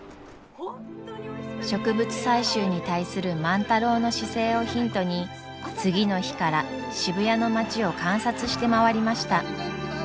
植物採集に対する万太郎の姿勢をヒントに次の日から渋谷の町を観察して回りました。